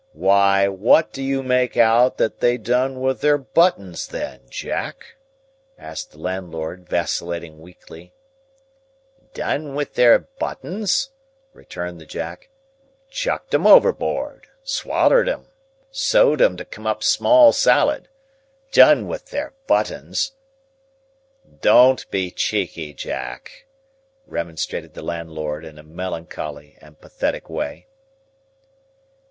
"Why, what do you make out that they done with their buttons then, Jack?" asked the landlord, vacillating weakly. "Done with their buttons?" returned the Jack. "Chucked 'em overboard. Swallered 'em. Sowed 'em, to come up small salad. Done with their buttons!" "Don't be cheeky, Jack," remonstrated the landlord, in a melancholy and pathetic way.